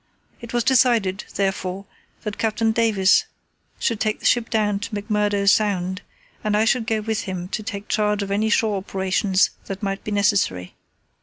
It was decided, therefore, that Captain Davis should take the ship down to McMurdo Sound, and that I should go with him to take charge of any shore operations that might be necessary.